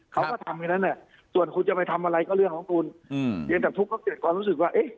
เขาก็ทำอย่างนั้นเนี่ยส่วนคุณจะไปทำอะไรก็เรื่องของคุณเพียงแต่พลุกเขาเจ็บความรู้สึกว่า